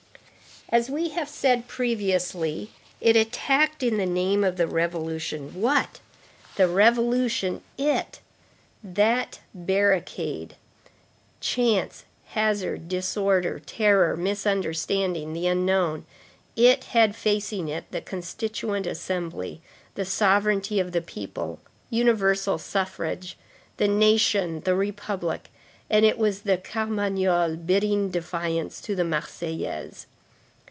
As we have said previously, it attacked in the name of the revolution—what? The revolution. It—that barricade, chance, hazard, disorder, terror, misunderstanding, the unknown—had facing it the Constituent Assembly, the sovereignty of the people, universal suffrage, the nation, the republic; and it was the Carmagnole bidding defiance to the Marseillaise.